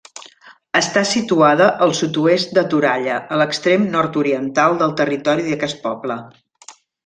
Està situada al sud-oest de Toralla, a l'extrem nord-oriental del territori d'aquest poble.